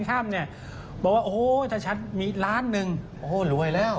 ถ้ำเนี่ยบอกว่าโอ้โหถ้าฉันมีล้านหนึ่งโอ้โหรวยแล้ว